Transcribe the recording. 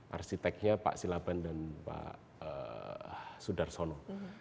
arsiteknya pak silaban dan pak sudarsono